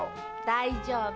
大丈夫。